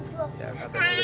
itu yang hancurin siapa